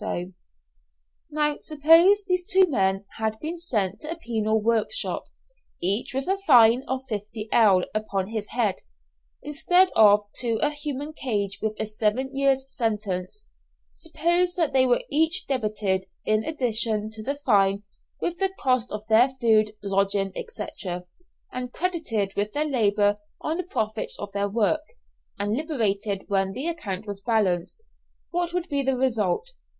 Now suppose these two men had been sent to a penal workshop, each with a fine of 50_l._ upon his head, instead of to a human cage with a seven years' sentence; suppose that they were each debited, in addition to the fine, with the cost of their food, lodging, &c., and credited with their labour on the profits on their work, and liberated when the account was balanced, what would be the result?